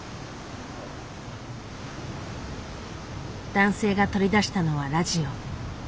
男性が取り出したのはラジオ。